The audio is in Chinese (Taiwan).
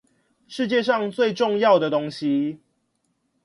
世界上最重要的東西